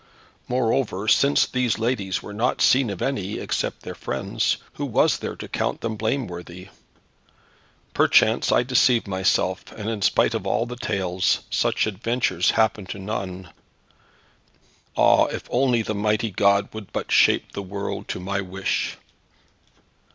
Moreover since these ladies were not seen of any, except their friends, who was there to count them blameworthy! Perchance I deceive myself, and in spite of all the tales, such adventures happened to none. Ah, if only the mighty God would but shape the world to my wish!"